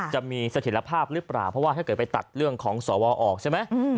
จะมีสถิตภาพหรือเปล่าเพราะว่าถ้าเกิดไปตัดเรื่องของสวออกใช่ไหม